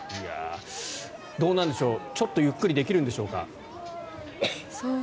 どうなんでしょうちょっとゆっくりできるんでしょうか。